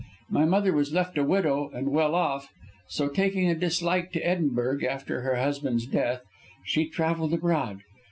My mother was left a widow and well off, so taking a dislike to Edinburgh after her husband's death, she travelled abroad.